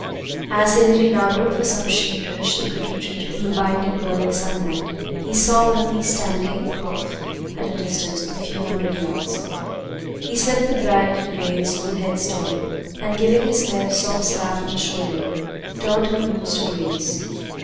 As Hilary now looked for some shade to which they could retreat from the blinding, burning sunlight, he saw one of these standing off at a distance of a few hundred yards. He slipped the bridle reins through the head stall, and giving his mare a soft slap on the shoulder, turned her loose to graze.